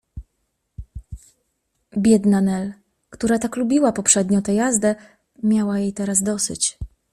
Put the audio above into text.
Biedna Nel, która tak lubiła poprzednio tę jazdę, miała jej teraz dosyć.